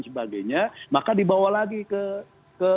sebagainya maka dibawa lagi ke